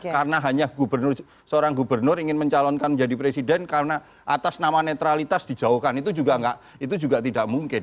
karena hanya seorang gubernur ingin mencalonkan menjadi presiden karena atas nama netralitas dijauhkan itu juga tidak mungkin